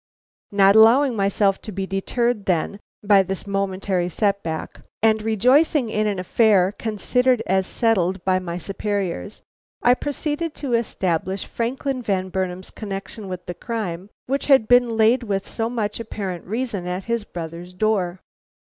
"Not allowing myself to be deterred, then, by this momentary set back, and rejoicing in an affair considered as settled by my superiors, I proceeded to establish Franklin Van Burnam's connection with the crime which had been laid with so much apparent reason at his brother's door.